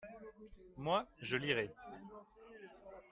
moi, je lirai.